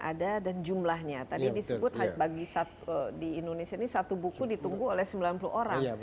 ada dan jumlahnya tadi disebut bagi di indonesia ini satu buku ditunggu oleh sembilan puluh orang